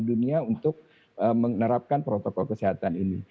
dunia untuk menerapkan protokol kesehatan ini